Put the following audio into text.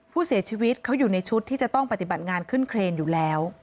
ผู้เสียชีวิตเขาอยู่ในชุดที่จะต้องปฏิบัติงานขึ้นเครนอยู่แล้ว